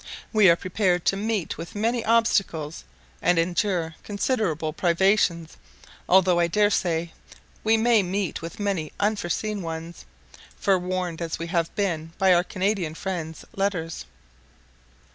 We are prepared to meet with many obstacles, and endure considerable privations, although I dare say we may meet with many unforeseen ones, forewarned as we have been by our Canadian friend's letters.